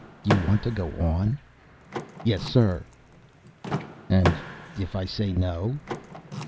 "You want to go on?" "Yes, sir." "And if I say no?"